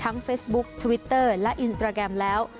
เฟซบุ๊คทวิตเตอร์และอินสตราแกรมแล้ว